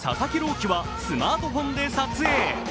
希はスマートフォンで撮影。